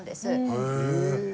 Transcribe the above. へえ。